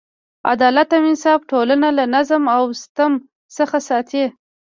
عدالت او انصاف ټولنه له ظلم او ستم څخه ساتي.